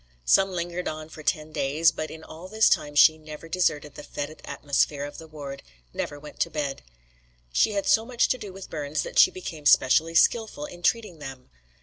Some lingered on for ten days, but in all this time she never deserted the fetid atmosphere of the ward, never went to bed. She had so much to do with burns that she became specially skilful in treating them.